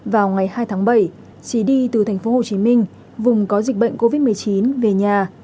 vào ngày hai tháng bảy trí đi từ thành phố hồ chí minh vùng có dịch bệnh covid một mươi chín về nhà